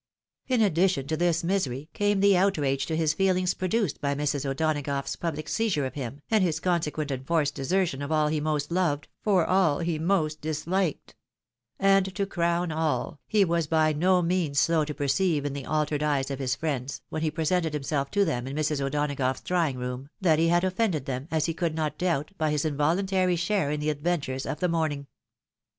In addition to this misery, came the outrage to his feelings produced by Mrs. O'Donagough's public seizure of him, and his consequent enforced desertion of all he most loved, for all he most disliked ; and, to crown all, he was by no means slow to perceive in the altered eyes of his friends, when he presented himself to them in Mrs. O'Donagough's draw ing room, that he had offended them, as he could not doubt, by his involuntary share in the adventures of the morning.